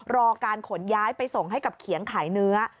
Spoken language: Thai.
รอการขนย้ายไปส่งให้กับเขียงขายเนื้อ